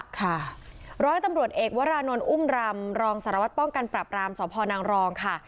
ค่ะร้อยตำรวจเอกวรานนท์อุ้มรำรองสารวัตรป้องกันปรับรามสพนางรองค่ะ